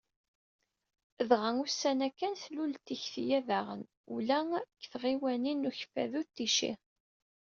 Dɣa, ussan-a kan, tlul-d tikti-a daɣen ula deg tɣiwanin n Ukeffadu d Ticci.